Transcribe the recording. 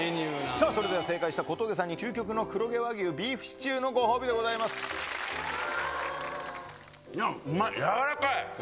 さあ、それでは正解した小峠さんに究極のビーフシチューのご褒美でござうまい、柔らかい。